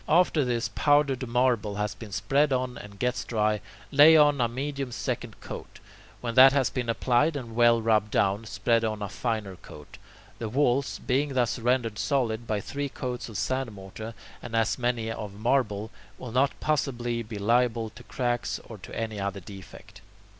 After this powdered marble has been spread on and gets dry, lay on a medium second coat. When that has been applied and well rubbed down, spread on a finer coat. The walls, being thus rendered solid by three coats of sand mortar and as many of marble, will not possibly be liable to cracks or to any other defect.